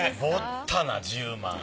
ぼったな１０万。